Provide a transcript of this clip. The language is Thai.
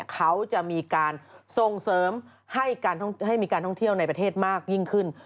เขาจะมีการส่งเสริมให้มีการท่องเที่ยวในประเทศมากยิ่งขึ้น